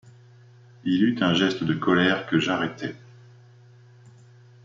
Il eut un geste de colère que j’arrêtai.